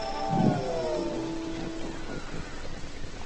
মানে, তোমায় কিছু একটা উপায় বের করতে হবে।